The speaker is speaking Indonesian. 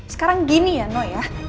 sekarang gini ya no ya